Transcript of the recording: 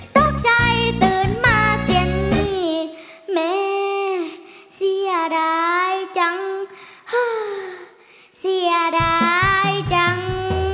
ตกใจตื่นมาเสียงหนี้แม่เสียดายจังฮะเสียดายจัง